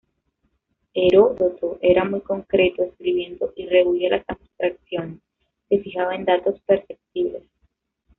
Heródoto era muy concreto escribiendo y rehúye las abstracciones; se fijaba en datos perceptibles.